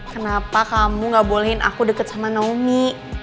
kenapa kamu gak bolehin aku dekat sama naomi